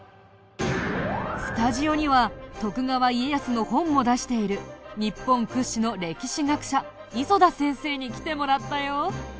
スタジオには徳川家康の本を出している日本屈指の歴史学者磯田先生に来てもらったよ。